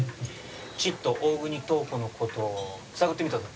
ちっと大國塔子の事を探ってみたぞ。